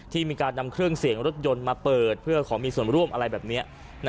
ที่มีการนำเครื่องเสียงรถยนต์มาเปิดเพื่อขอมีส่วนร่วมอะไรแบบนี้